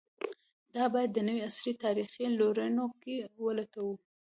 دا باید د نوي عصر تاریخي لورینو کې ولټوو.